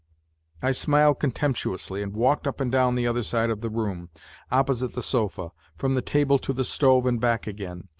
I smiled contemptuously and walked up and down the other side of the room, opposite the sofa, from the table to the stove and back again.